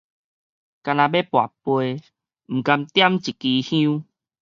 干焦欲跋桮，毋甘點一枝香